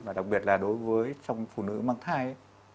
và đặc biệt là đối với trong phụ nữ mang thai